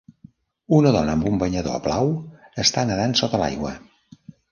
Una dona amb un banyador blau està nedant sota l'aigua.